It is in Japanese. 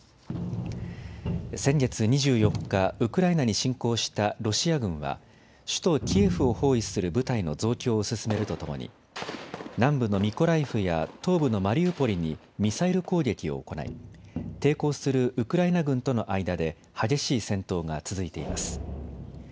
先月２４日、ウクライナに侵攻したロシア軍は首都キエフを包囲する部隊の増強を進めるとともに南部のミコライフや東部のマリウポリにミサイル攻撃を行い抵抗するウクライナ軍との間で激しい戦闘が続いています。